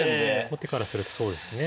後手からするとそうですね。